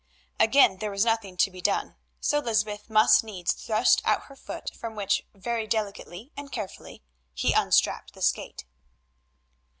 Again there was nothing to be done, so Lysbeth must needs thrust out her foot from which very delicately and carefully he unstrapped the skate.